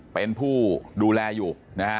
เป็นผู้ดูแลอยู่